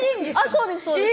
そうですそうです